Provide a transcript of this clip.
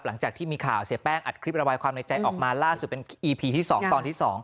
หลังจากที่มีข่าวเสียแป้งอัดคลิประบายความในใจออกมาล่าสุดเป็นอีพีที่๒ตอนที่๒